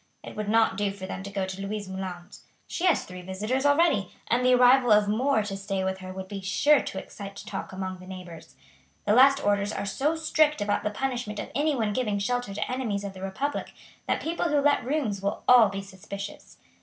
It would not do for them to go to Louise Moulin's. She has three visitors already, and the arrival of more to stay with her would be sure to excite talk among the neighbours. The last orders are so strict about the punishment of anyone giving shelter to enemies of the republic, that people who let rooms will all be suspicious.